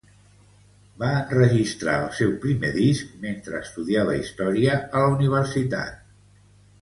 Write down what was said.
Va enregistrar el seu primer disc mentre estudiava Història a la universitat.